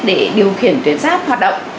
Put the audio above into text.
để điều khiển tuyến giáp hoạt động